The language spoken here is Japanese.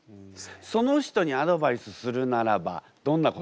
その人にアドバイスするならばどんな言葉ですか？